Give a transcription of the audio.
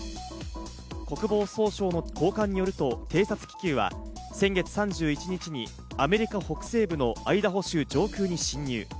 国防総省の高官によると、偵察気球は先月３１日にアメリカ北西部のアイダホ州上空に侵入。